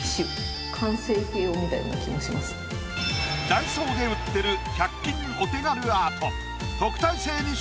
「ダイソー」で売ってる１００均お手軽アート。